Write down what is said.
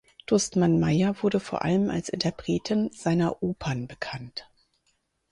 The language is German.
Dustmann-Meyer wurde vor allem als Interpretin seiner Opern bekannt.